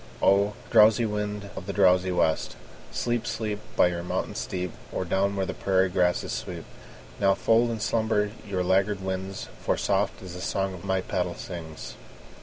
O! drowsy wind of the drowsy west, Sleep, sleep, By your mountain steep, Or down where the prairie grasses sweep! Now fold in slumber your laggard wings, For soft is the song my paddle sings.